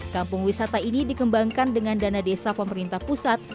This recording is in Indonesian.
kampung wisata ini dikembangkan dengan dana desa pemerintah pusat